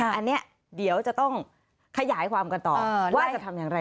อันนี้เดี๋ยวจะต้องขยายความกันต่อว่าจะทำอย่างไร